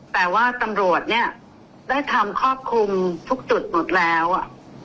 แต่ว่าตำรวจเนี่ยได้ทำครอบคลุมทุกจุดหมดแล้วอ่ะ